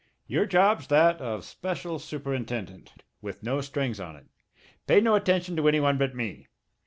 Your job's that of special superintendent, with no strings on it. Pay no attention to any one but me.